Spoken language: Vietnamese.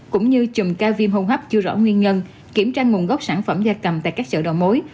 cũng như chùm ca viêm hô hấp chưa rõ nguyên nhân kiểm tra nguồn gốc sản phẩm gia cầm tại các sở đầu mối